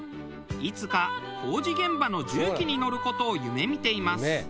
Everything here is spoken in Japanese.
いつか工事現場の重機に乗る事を夢見ています。